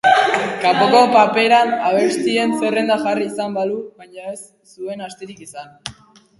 Kanpoko paperean abestien zerrenda jarri izan balu, baina ez zuen astirik izan.